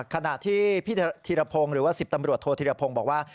ขณะที่พี่ธีรพงศ์หรือว่า๑๐ตำรวจโทษธิรพงศ์บอกว่า